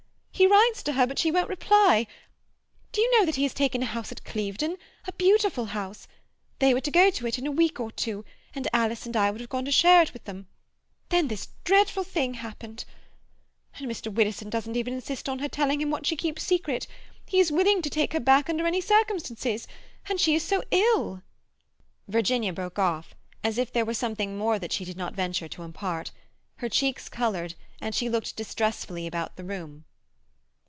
He writes to her, but she won't reply. Do you know that he has taken a house at Clevedon—a beautiful house? They were to go to it in a week or two, and Alice and I would have gone to share it with them—then this dreadful thing happened. And Mr. Widdowson doesn't even insist on her telling him what she keeps secret. He is willing to take her back under any circumstances. And she is so ill—" Virginia broke off, as if there were something more that she did not venture to impart. Her cheeks coloured, and she looked distressfully about the room.